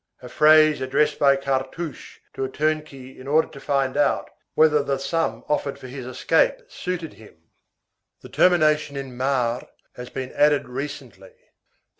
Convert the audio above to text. A phrase addressed by Cartouche to a turnkey in order to find out whether the sum offered for his escape suited him. The termination in mar has been added recently.